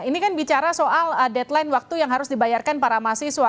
ini kan bicara soal deadline waktu yang harus dibayarkan para mahasiswa